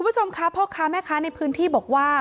คุณผู้ชมคะพ่อค้าแม่ค้าในพื้นที่บอกว่า